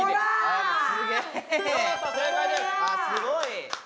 すごい。